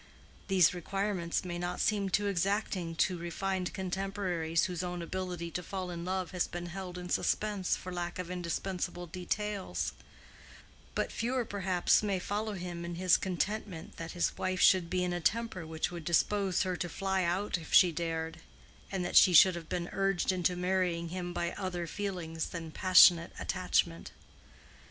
These requirements may not seem too exacting to refined contemporaries whose own ability to fall in love has been held in suspense for lack of indispensable details; but fewer perhaps may follow him in his contentment that his wife should be in a temper which would dispose her to fly out if she dared, and that she should have been urged into marrying him by other feelings than passionate attachment.